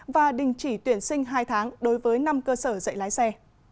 và đình chỉ tuyển sinh hai tháng đối với năm cơ sở dạy lái xe